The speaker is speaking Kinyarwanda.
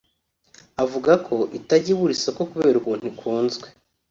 avuga ko itajya ibura isoko kubera ukuntu ikunzwe